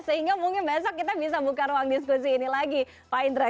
sehingga mungkin besok kita bisa buka ruang diskusi ini lagi pak indra